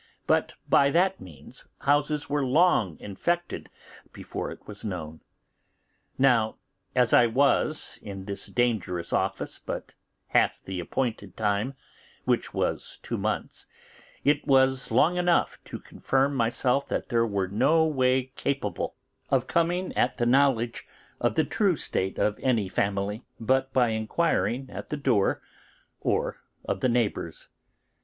But by that means houses were long infected before it was known. Now, as I was in this dangerous office but half the appointed time, which was two months, it was long enough to inform myself that we were no way capable of coming at the knowledge of the true state of any family but by inquiring at the door or of the neighbours.